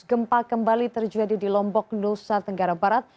gempa kembali terjadi di lombok nusa tenggara barat